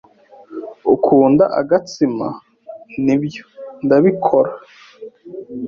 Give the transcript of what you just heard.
"Ukunda agatsima?" "Nibyo, ndabikora."